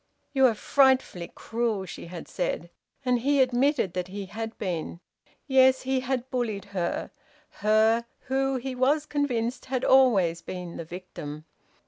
"You are frightfully cruel," she had said. And he admitted that he had been. Yes, he had bullied her, her who, he was convinced, had always been the victim.